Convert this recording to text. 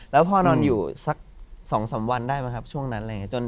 แล้วพ่อนอนอยู่สัก๒๓วันได้ไหมครับช่วงนั้นอะไรอย่างนี้